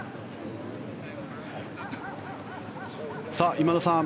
今田さん